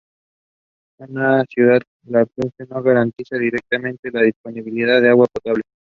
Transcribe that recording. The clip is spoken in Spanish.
Una ciudad lacustre no garantiza directamente la disponibilidad de agua potable.